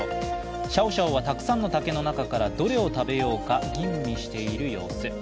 シャオシャオはたくさんの竹の中から、どれを食べようか吟味している様子。